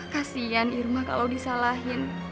kasian irma kalau disalahin